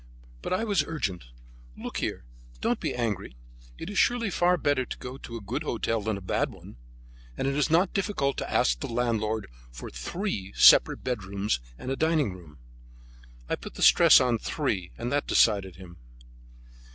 But I was urgent: "Look here, don't be angry. It is surely far better to go to a good hotel than to a bad one, and it is not difficult to ask the landlord for three separate bedrooms and a dining room." I put a stress on three, and that decided him.